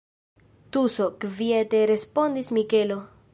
Tuso, kviete respondis Mikelo.